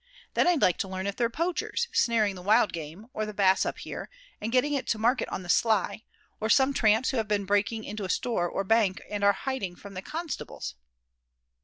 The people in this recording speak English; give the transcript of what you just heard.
Then I'd like to learn if they're poachers, snaring the wild game, or the bass up here, and getting it to market on the sly; or some tramps who have been breaking into a store or a bank and are hiding from the constables."